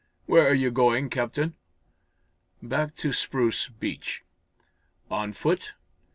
"Where are you going, Captain?" "Back to Spruce Beach." "On foot?"